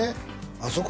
あそこ